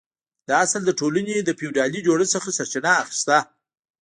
دا اصل د ټولنې له فیوډالي جوړښت څخه سرچینه اخیسته.